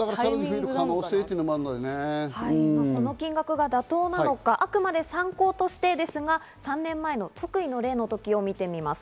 この金額が妥当なのか、あくまで参考としてですが３年前の即位の礼の時を見てみます。